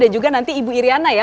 dan juga nanti ibu iryana ya